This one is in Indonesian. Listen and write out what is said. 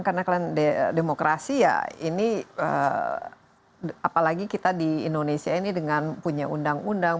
karena kalian demokrasi ya ini apalagi kita di indonesia ini dengan punya undang undang